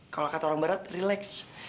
kalau kata orang barat relax